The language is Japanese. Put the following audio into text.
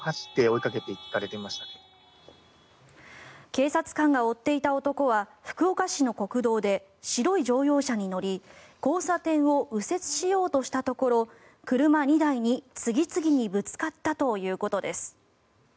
警察官が追っていた男は福岡市の国道で白い乗用車に乗り交差点を右折しようとしたところ車２台に次々にぶつかったということです。